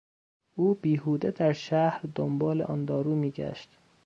او بیهوده در شهر دنبال آن دارو میگشت.